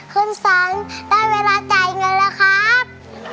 คุณสันได้เวลาจ่ายเงินแล้วครับ